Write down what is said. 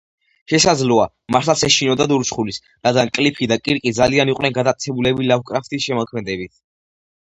შესაძლოა, მართლაც ეშინოდათ ურჩხულის, რადგან კლიფი და კირკი ძალიან იყვნენ გატაცებულნი ლავკრაფტის შემოქმედებით.